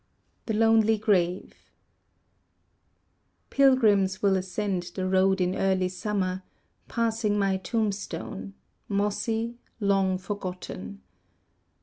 The Lonely Grave Pilgrims will ascend the road in early summer, Passing my tombstone Mossy, long forgotten.